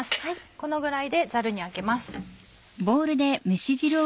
このぐらいでザルにあけます。